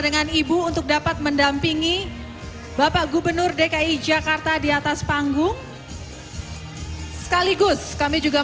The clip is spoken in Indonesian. dengan ibu untuk dapat mendampingi bapak gubernur dki jakarta di atas panggung sekaligus kami juga